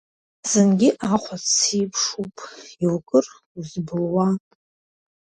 Зынгьы ахәац сеиԥшуп, иукыр узбылуа.